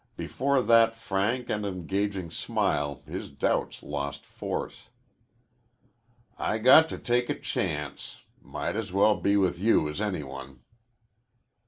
Before that frank and engaging smile his doubts lost force. "I got to take a chance. Might as well be with you as any one."